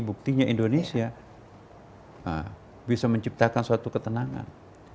buktinya indonesia bisa menciptakan suatu ketenangan